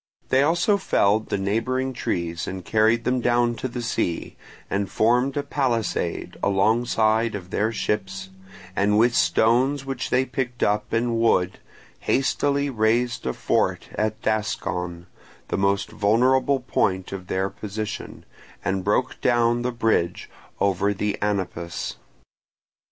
They also felled the neighbouring trees and carried them down to the sea, and formed a palisade alongside of their ships, and with stones which they picked up and wood hastily raised a fort at Daskon, the most vulnerable point of their position, and broke down the bridge over the Anapus.